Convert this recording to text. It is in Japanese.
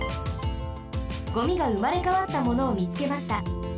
ゴミがうまれかわったものをみつけました。